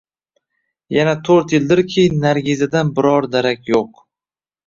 Mana to`rt yildirki, Nargizadan biror darak yo`q